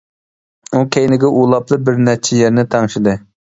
ئۇ كەينىگە ئۇلاپلا بىر نەچچە يەرنى تەڭشىدى.